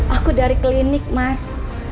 aku dari klinik mas